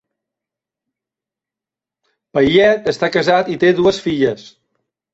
Paillet està casat i té dues filles.